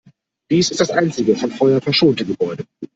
Dies ist das einzige vom Feuer verschonte Gebäude.